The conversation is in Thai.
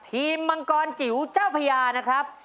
มังกรจิ๋วเจ้าพญานะครับ